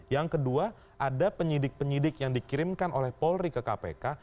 yang kedua ada penyidik penyidik yang dikirimkan oleh polri ke kpk